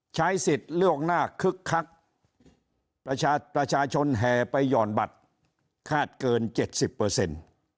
ใช้สิทธิ์เลือกหน้าคึกคักประชาชนแห่ไปหย่อนบัตรคาดเกิน๗๐